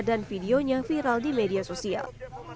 dan videonya viral di media sosial